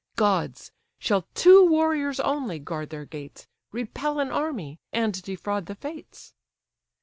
Gods! shall two warriors only guard their gates, Repel an army, and defraud the fates?"